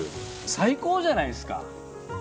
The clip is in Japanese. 最高じゃないですか。